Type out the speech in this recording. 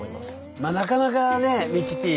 まあなかなかねミキティ。